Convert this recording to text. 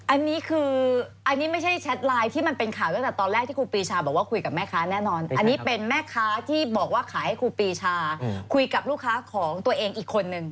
อันนี้คืออันนี้ไม่ใช่แชทไลน์ที่มันเป็นข่าวตั้งแต่ตอนแรกที่ครูปีชาบอกว่าคุยกับแม่ค้าแน่นอนอันนี้เป็นแม่ค้าที่บอกว่าขายให้ครูปีชาคุยกับลูกค้าของตัวเองอีกคนนึง